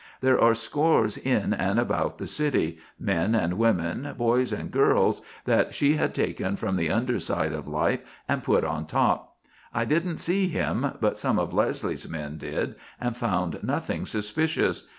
There are scores in and about the city, men and women, boys and girls, that she had taken from the under side of life and put on top. I didn't see him, but some of Leslie's men did and found nothing suspicious.